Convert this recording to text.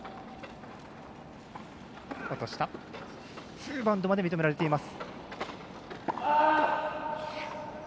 ツーバウンドまで認められています。